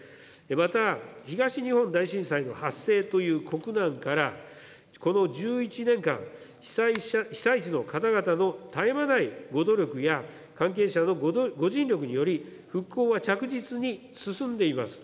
また、東日本大震災の発生という国難から、この１１年間、被災地の方々のたゆまないご努力や関係者のご尽力により、復興は着実に進んでいます。